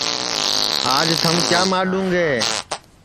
آج تھم کیا ماڈؔوں گے